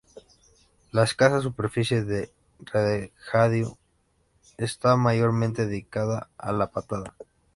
La escasa superficie de regadío está mayormente dedicada a la patata.